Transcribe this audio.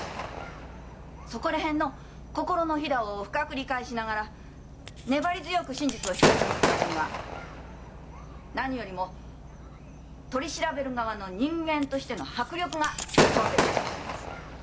そこら辺の心のヒダを深く理解しながら粘り強く真実を引き出していくためには何よりも取り調べる側の人間としての迫力が問われることになります。